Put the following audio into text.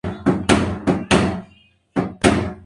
El complejo del palacio hoy alberga varios museos.